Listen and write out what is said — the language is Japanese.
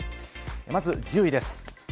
まず１０位です。